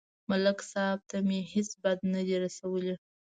ملک صاحب ته مې هېڅ بد نه دي رسولي